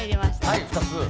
はい２つ。